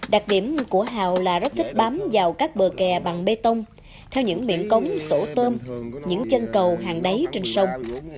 đặc điểm của hào là rất thích bám vào các bờ kè bằng bê tông theo những miệng cống sổ tôm những chân cầu hàng đáy trên sông